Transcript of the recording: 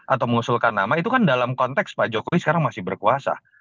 atau mengusulkan nama itu kan dalam konteks pak jokowi sekarang masih berkuasa